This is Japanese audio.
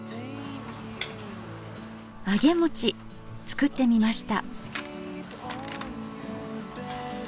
あげもち作ってみました。